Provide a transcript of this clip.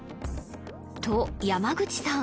と山口さん